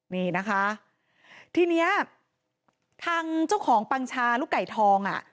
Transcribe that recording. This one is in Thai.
นี่นะคะทีเนี้ยทางเจ้าของปังชาลูกไก่ทองอ่ะ